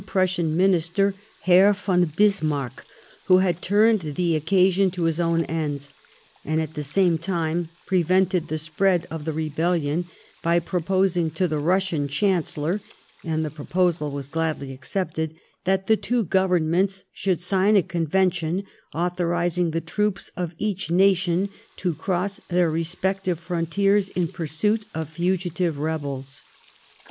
Prassian Minister, Herr ron Bismarck, who had turned the occasion to his own ends, and at the same time pre Tented the spread of the rebellion, by proposing to the Bassian Chancellor — and the proposal was gladly accepted — that the two Goyemments should sign a con yention aathorising the troops of each nation to cross their respectiye frontiers in pursuit of fugiliye rebels.